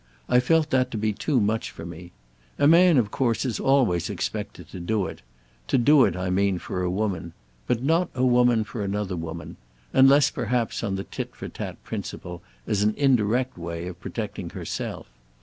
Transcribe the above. I felt that to be too much for me. A man of course is always expected to do it—to do it, I mean, for a woman; but not a woman for another woman; unless perhaps on the tit for tat principle, as an indirect way of protecting herself.